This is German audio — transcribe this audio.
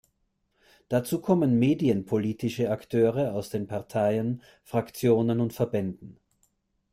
Dazu kommen medienpolitische Akteure aus den Parteien, Fraktionen und Verbänden.